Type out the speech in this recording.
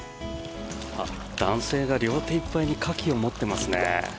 男性が両手いっぱいにカキを持っていますね。